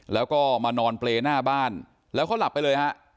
แล้วก็มานอนเปรย์หน้าบ้านแล้วเขาหลับไปเลยฮะ